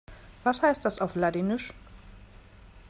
Was heißt das auf Ladinisch?